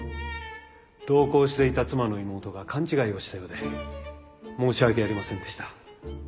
同行していた妻の妹が勘違いをしたようで申し訳ありませんでした。